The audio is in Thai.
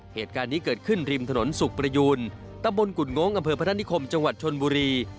เหตุการณ์นี้เกิดขึ้นริมถนนสุขประยูนตำบลกุ่นงงอำเภอพนักนิคมจังหวัดชนบุรี